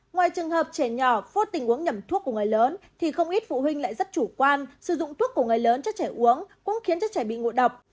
ngoài trường hợp trẻ nhỏ phốt tình uống nhầm thuốc của người lớn thì không ít phụ huynh lại rất chủ quan sử dụng thuốc của người lớn cho trẻ uống cũng khiến cho trẻ bị ngộ độc